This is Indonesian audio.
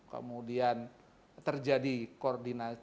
kemudian terjadi koordinasi